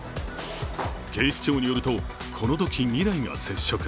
警視庁によると、このとき２台が接触。